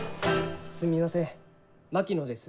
・すみません槙野です。